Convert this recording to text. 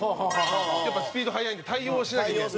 やっぱ、スピード速いんで対応しなきゃいけない。